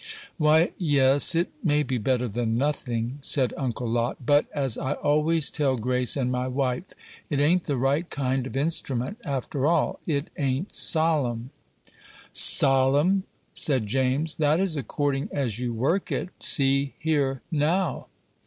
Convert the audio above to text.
"Why, yes, it may be better than nothing," said Uncle Lot; "but, as I always tell Grace and my wife, it ain't the right kind of instrument, after all; it ain't solemn." "Solemn!" said James; "that is according as you work it: see here, now."